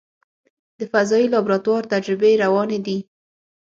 د فضایي لابراتوار تجربې روانې دي.